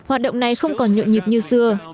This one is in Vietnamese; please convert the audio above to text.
thế như gần đây hoạt động này không còn nhộn nhịp như xưa